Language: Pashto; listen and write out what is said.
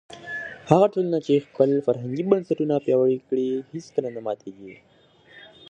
هغه ټولنه چې خپل فرهنګي بنسټونه پیاوړي کړي هیڅکله نه ماتېږي.